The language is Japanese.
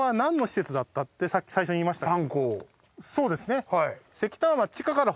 そうですね。